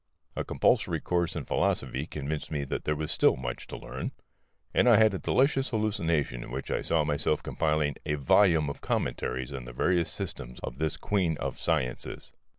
A compulsory course in philosophy convinced me that there was still much to learn; and I had a delicious hallucination in which I saw myself compiling a volume of commentaries on the various systems of this queen of sciences.